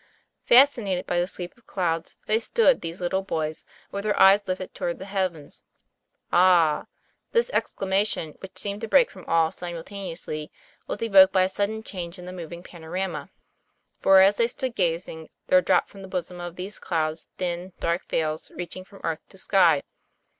Fascinated by the sweep of clouds, they stood, these little boys, with their eyes lifted towards the heavens. "Ah!" This exclamation which seemed to break from all simultaneously was evoked by a sudden change in the moving panorama. For, as they stood gazing, there dropped from the bosom of these clouds thin, dark veils reaching from earth to sky.